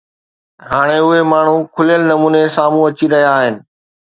هاڻي اهي ماڻهو کليل نموني سامهون اچي رهيا آهن